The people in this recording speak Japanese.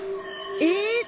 え？